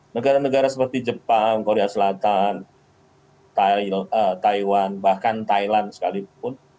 negara negara seperti jepang korea selatan taiwan bahkan thailand sekalipun